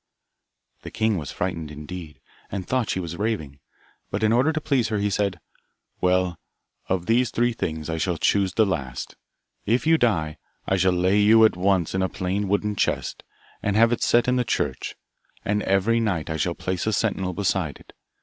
The king was frightened indeed, and thought she was raving, but in order to please her, he said, 'Well, of these three things I shall choose the last; if you die, I shall lay you at once in a plain wooden chest, and have it set in the church, and every night I shall place a sentinel beside it.